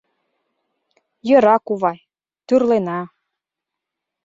Йӧра, кувай, тӱрлена.